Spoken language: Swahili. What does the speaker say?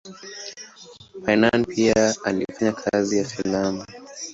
Payn pia alifanya kazi ya filamu.